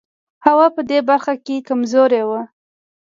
هوا په دې برخه کې کمزوری و.